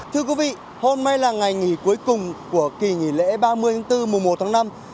thưa quý vị hôm nay là ngày nghỉ cuối cùng của kỳ nghỉ lễ ba mươi tháng bốn mùa một tháng năm